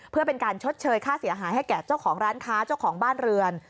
เพื่อเป็นการชดเชยค่าเสียหายให้แก่เจ้าของร้านค้าเจ้าของบ้านเรือน